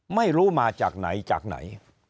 ไม่รู้มาจากไหนจากไหน